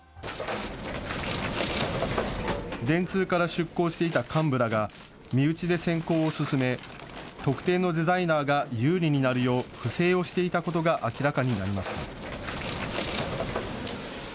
電通から出向していた幹部らが身内で選考を進め、特定のデザイナーが有利になるよう不正をしていたことが明らかになりました。